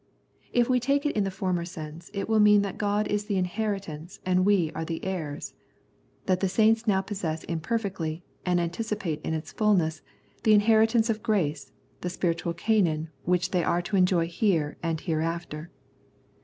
If we take it in the former sense it will mean that God is the inheritance and we are the heirs ; that the saints now possess im perfectly, and anticipate in its fulness, the inheritance of grace, the spiritual Canaan which they are to enjoy here and hereafter.